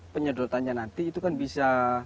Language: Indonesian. penyedotannya nanti itu kan bisa